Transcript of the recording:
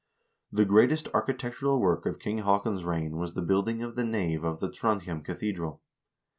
The greatest architec tural work of King Haakon's reign was the building of the nave of the Trondhjem cathedral.